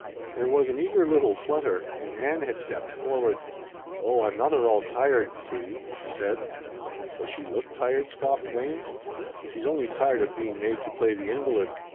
There was an eager little flutter, and Ann had stepped forward. "Oh, I'm not at all tired, Katie," she said. "Does she look tired?" scoffed Wayne. "She's only tired of being made to play the invalid.